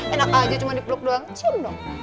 enak aja cuma dipeluk doang cium dong